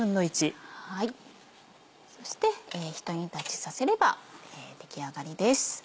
そしてひと煮立ちさせれば出来上がりです。